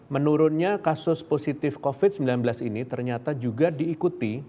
menurunnya kasus positif covid sembilan belas ini ternyata juga diikuti